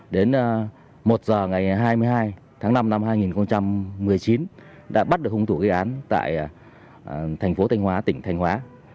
đến một h ngày hai mươi hai tháng năm năm hai nghìn một mươi chín đã bắt được hung thủ gây án tại thành phố thanh hóa tỉnh thanh hóa